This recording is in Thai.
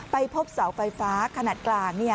ไปพบเสาไฟฟ้าขนาดกลาง